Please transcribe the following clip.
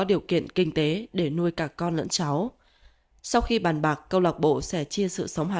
điều kiện kinh tế để nuôi cả con lẫn cháu sau khi bàn bạc công lạc bộ sẻ chiên sự sống hà